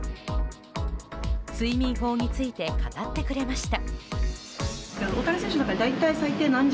睡眠法について語ってくれました。